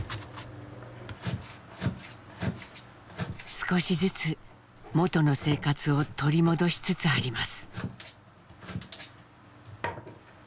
少しずつ元の生活を取り戻しつつあります。